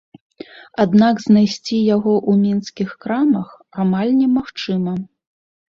Аднак знайсці яго ў мінскіх крамах амаль не магчыма.